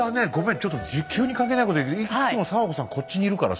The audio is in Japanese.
ちょっと急に関係ないこと言うけどいつも佐和子さんこっちにいるからさ。